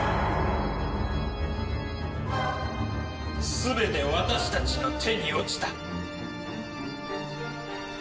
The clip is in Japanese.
全て私たちの手に落ちた。